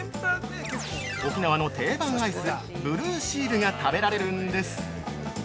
沖縄の定番アイス「ブルーシール」が食べられるんです。